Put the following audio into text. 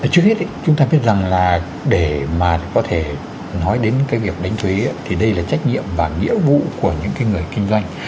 trước hết chúng ta biết rằng là để mà có thể nói đến cái việc đánh thuế thì đây là trách nhiệm và nghĩa vụ của những người kinh doanh